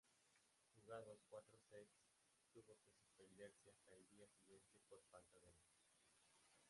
Jugados cuatro sets, tuvo que suspenderse hasta el día siguiente por falta de luz.